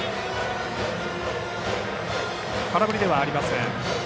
空振りではありません。